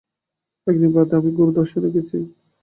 একদিন প্রাতে আমি গুরুদর্শনে গেছি।